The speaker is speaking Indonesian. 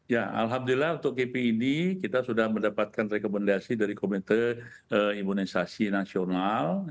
ya alhamdulillah untuk kipi ini kita sudah mendapatkan rekomendasi dari komite imunisasi nasional